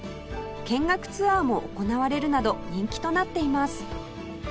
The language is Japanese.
見学ツアーも行われるなど人気となっています